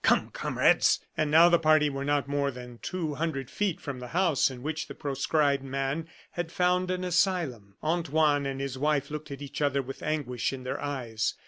"Come, comrades!" And now the party were not more than two hundred feet from the house in which the proscribed man had found an asylum. Antoine and his wife looked at each other with anguish in their eyes.